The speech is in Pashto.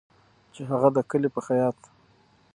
چې هغه د کلي په خیاط